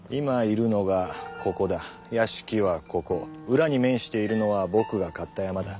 裏に面しているのは僕が買った山だ。